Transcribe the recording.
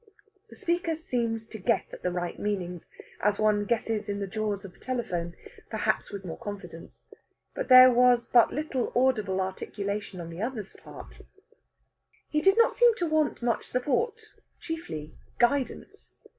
The speaker seems to guess at the right meanings, as one guesses in the jaws of the telephone, perhaps with more confidence. But there was but little audible articulation on the other's part. He seemed not to want much support chiefly guidance.